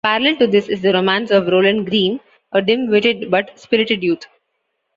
Parallel to this is the romance of Roland Graeme, a dim-witted but spirited youth.